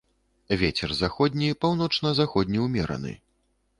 Вецер заходні, паўночна-заходні ўмераны.